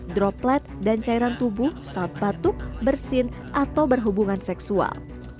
droplet dan cairan tubuh saat batuk bersin atau berhubungan seksual